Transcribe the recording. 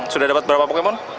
sudah dapat berapa pokemon